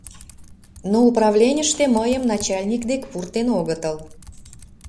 Но управленьыште мыйым начальник дек пуртен огытыл.